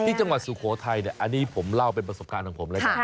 ที่จังหวัดสุโขไทยอันนี้ผมเล่าเป็นประสบการณ์ของผมเลยค่ะ